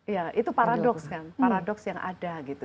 iya itu paradoks kan paradoks yang ada gitu